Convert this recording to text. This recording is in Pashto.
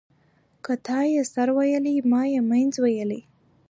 ـ که تا يې سر ويلى ما يې منځ ويلى.